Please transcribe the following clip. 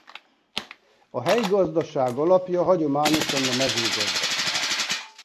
A helyi gazdaság alapja hagyományosan a mezőgazdaság.